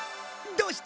どうした？